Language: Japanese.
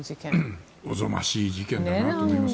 おぞましい事件だなと思います。